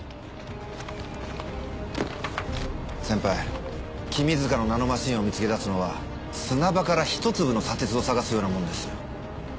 先輩君塚のナノマシンを見つけ出すのは砂場からひと粒の砂鉄を探すようなもんです。